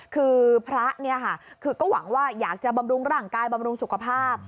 คือพระก็หวังว่าอยากจะบำรุงร่างกายบำรุงสุขภาพ